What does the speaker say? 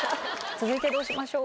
続いてどうしましょう？